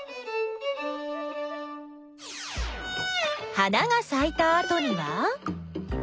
花がさいたあとには？